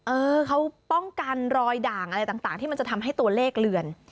เออเขาป้องกันรอยด่างอะไรต่างที่มันจะทำให้ตัวเลขเลือน